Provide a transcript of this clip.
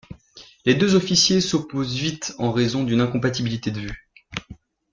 Les deux officiers s'opposent vite en raison d'une incompatibilité de vues.